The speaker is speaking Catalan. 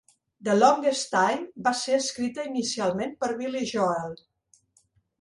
The Longest Time va ser escrita inicialment per Billy Joel.